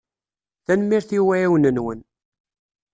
Tanemmirt i uɛiwen-nwen.